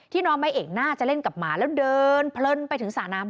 น้องไม้เอกน่าจะเล่นกับหมาแล้วเดินเพลินไปถึงสระน้ำ